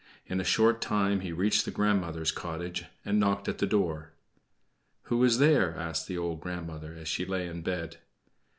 In a short time he reached the grandmother's cottage and knocked at the door. "Who is there?" asked the old grandmother, as she lay in bed.